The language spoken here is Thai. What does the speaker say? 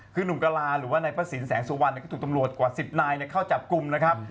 คือหนุ่มกะลาหรือว่านายพระสินแสงสุวรรณก็ถูกตำรวจกว่า๑๐นายเข้าจับกลุ่มนะครับ